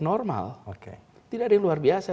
normal tidak ada yang luar biasa